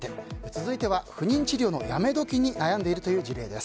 続いては不妊治療のやめ時に悩んでいるという事例。